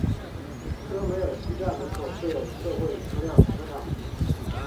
科梅尔西站门口设有社会车辆停车场。